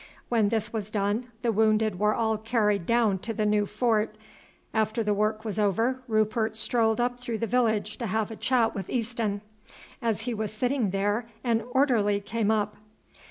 When this was done the wounded were all carried down to the new fort. After the work was over Rupert strolled up through the village to have a chat with Easton. As he was sitting there an orderly came up.